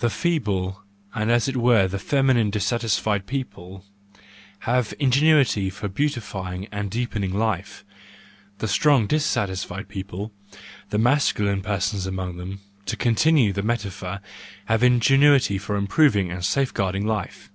—The feeble and as it were feminine dissatisfied people have ingenuity for beautifying and deepening life; the strong dissatisfied people—the masculine persons among them, to continue the metaphor—have the ingenuity for improving and safeguarding life.